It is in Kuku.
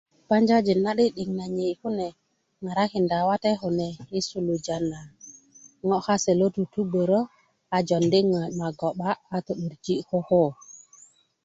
banjajin na'dik 'dik na nyei kune ŋarakinda wate kune i suluja na ŋo' kase lo tutugbörö a jondi mago'ba a to'durji koko